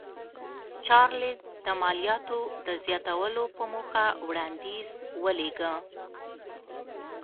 چارلېز د مالیاتو د زیاتولو په موخه وړاندیز ولېږه.